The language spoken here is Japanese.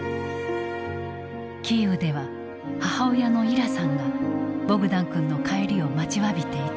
キーウでは母親のイラさんがボグダン君の帰りを待ちわびていた。